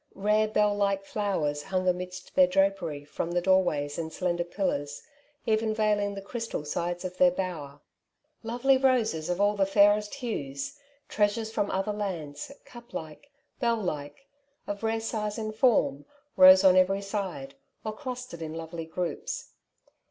Rare bell like flowers hung amidst their drapery from the doorways and slender pillars, even veiling the crystal sides of their bower. Lovely roses of all the fairest hues — treasures from other lands, cup like, bell like, of rare size and form — rose on every side, or clustered in lovely groups.